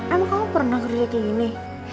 emang kamu pernah kerja kayak gini